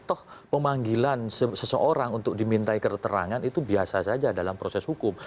toh pemanggilan seseorang untuk dimintai keterangan itu biasa saja dalam proses hukum